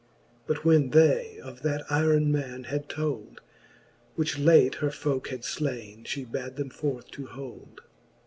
But when they of that yron man had told, Which late her folke had ilaine, fhe bad them forth to hold.